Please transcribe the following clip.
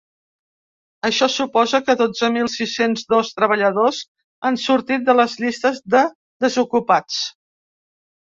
Això suposa que dotze mil sis-cents dos treballadors han sortit de les llistes de desocupats.